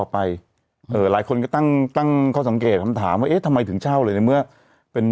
พระบอกขอปิ้งหน่อยหมูกระทะก็กลับมาไม่ไหวแล้ว